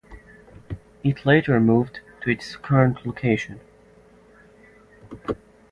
It later moved to its current location.